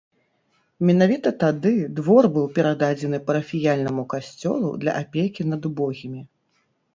Менавіта тады двор быў перададзены парафіяльнаму касцёлу для апекі над убогімі.